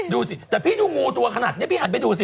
ดูสิแต่พี่ดูงูตัวขนาดนี้พี่หันไปดูสิ